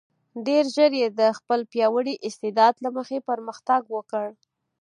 ډېر ژر یې د خپل پیاوړي استعداد له مخې پرمختګ وکړ.